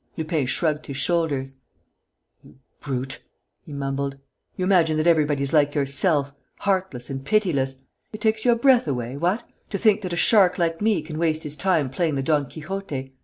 Lupin shrugged his shoulders: "You brute!" he mumbled. "You imagine that everybody is like yourself, heartless and pitiless. It takes your breath away, what, to think that a shark like me can waste his time playing the Don Quixote?